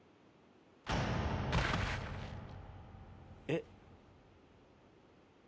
えっ。